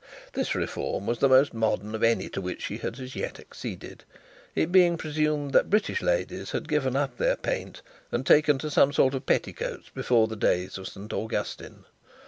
This reform was the most modern of any to which she had as yet acceded, it being presumed that British ladies had given up their paint and taken to some sort of petticoats before the days of St Augustine.